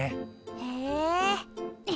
へえ。